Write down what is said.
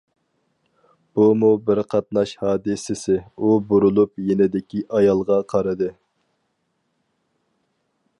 بۇمۇ بىر قاتناش ھادىسىسى. ئۇ بۇرۇلۇپ يېنىدىكى ئايالغا قارىدى.